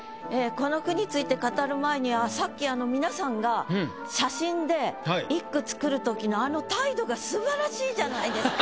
この句について語る前にさっき皆さんが写真で一句作るときのあの態度が素晴らしいじゃないですか。